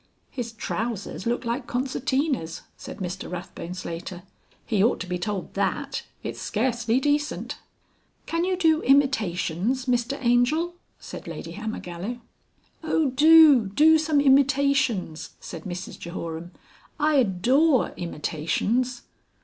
"His trousers look like concertinas," said Mr Rathbone Slater. "He ought to be told that. It's scarcely decent." "Can you do Imitations, Mr Angel?" said Lady Hammergallow. "Oh do, do some Imitations!" said Mrs Jehoram. "I adore Imitations."